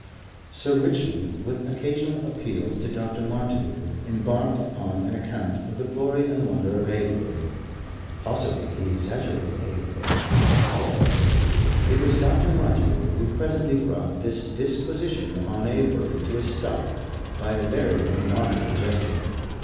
Sir Richmond, with occasional appeals to Dr. Martineau, embarked upon an account of the glory and wonder of Avebury. Possibly he exaggerated Avebury.... It was Dr. Martineau who presently brought this disquisition upon Avebury to a stop by a very remarkable gesture.